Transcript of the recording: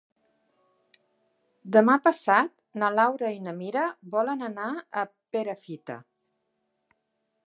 Demà passat na Laura i na Mira volen anar a Perafita.